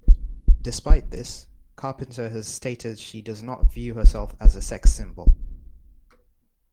Despite this, Carpenter has stated she does not view herself as a sex symbol.